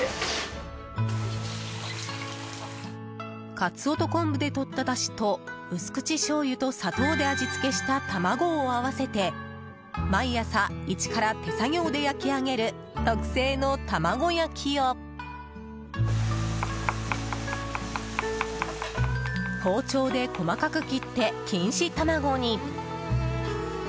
カツオと昆布でとっただしと薄口しょうゆと砂糖で味付けした卵を合わせて毎朝いちから手作業で焼き上げる特製の卵焼きを包丁で細かく切って錦糸卵に。